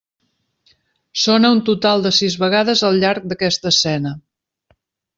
Sona un total de sis vegades al llarg d'aquesta escena.